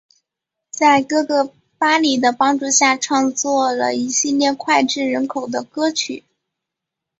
在哥哥巴里的帮助下创作了一系列脍炙人口的歌曲。